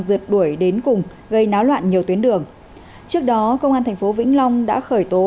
dượt đuổi đến cùng gây náo loạn nhiều tuyến đường trước đó công an tp vĩnh long đã khởi tố